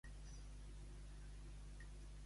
Fer la prima.